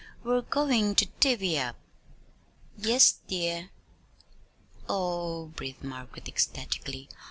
"We're goin' to divvy up!" "Yes, dear." "Oh!" breathed Margaret, ecstatically.